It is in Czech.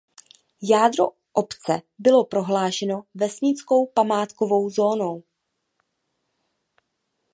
Jádro obce bylo prohlášeno vesnickou památkovou zónou.